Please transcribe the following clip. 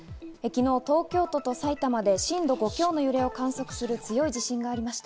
昨日、東京都と埼玉で震度５強の揺れを観測する強い地震がありました。